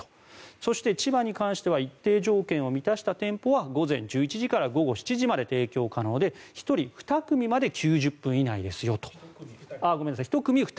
そして、千葉に関しては一定条件を満たした店舗は午前１１時から午後７時まで提供可能で１組２人まで９０分以内ですよと。